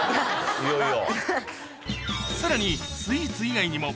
いよいよ。